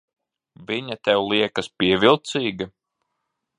Viņa tev liekas pievilcīga?